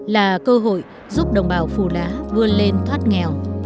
là cơ hội giúp đồng bào phù lá vươn lên thoát nghèo